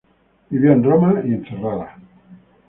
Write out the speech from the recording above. Vivió en Roma y en Ferrara.